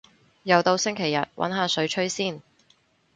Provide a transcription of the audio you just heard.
又到星期日，搵下水吹先